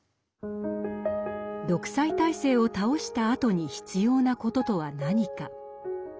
独裁体制を倒したあとに必要なこととは何か。